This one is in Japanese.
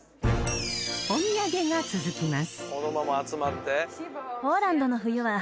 お土産が続きます